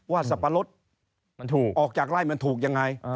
ว่าสับปะรถออกจากไร้มันถูกยังไง